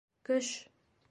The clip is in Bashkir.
Көш!